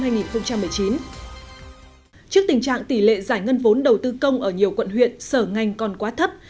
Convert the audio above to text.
trước tình trạng tỷ lệ giải ngân vốn đầu tư công ở nhiều quận huyện sở ngành còn quá thấp